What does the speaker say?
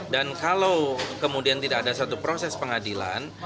dan kalau kemudian tidak ada satu proses pengadilan